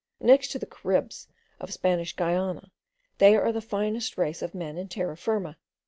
Next to the Caribs of Spanish Guiana they are the finest race of men in Terra Firma.